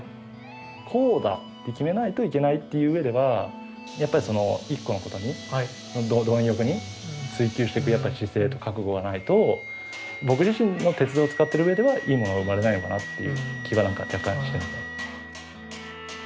こうだって決めないといけないっていう上ではやっぱり一個のことに貪欲に追求していくやっぱり姿勢と覚悟がないと僕自身の鉄を使ってる上ではいいものは生まれないのかなっていう気は若干してます。